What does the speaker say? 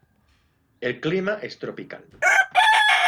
El clima es tropical.